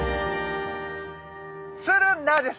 ツルナです！